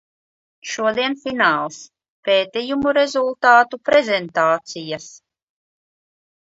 Šodien fināls - pētījumu rezultātu prezentācijas.